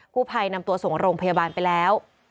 ผู้ภัยนำตัวส่งโรงพยาบาลไปแล้ว